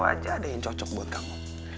siapa tau aja ada yang cocok buat kamu